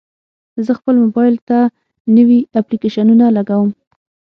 زه خپل موبایل ته نوي اپلیکیشنونه لګوم.